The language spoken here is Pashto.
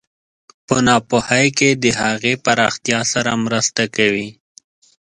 په ناپوهۍ کې د هغې پراختیا سره مرسته کوي.